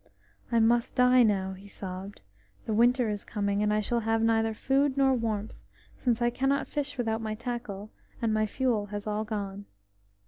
"I must die now," he sobbed. "The winter is coming, and I shall have neither food nor warmth, since I cannot fish without my tackle, and my fuel has all gone."